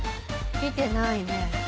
来てないね。